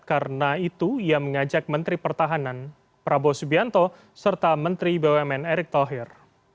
karena itu ia mengajak menteri pertahanan prabowo subianto serta menteri bumn erick thohir